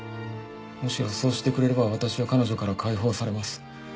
むしろそうしてくれれば私は彼女から解放されます。